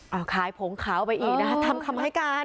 เอาขายผงขาวไปอีกนะคะทำคำให้การ